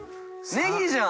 ネギじゃん。